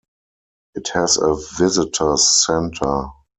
It has a visitor's center.